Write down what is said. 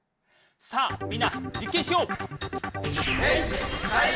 さあみんなじっけんしよう！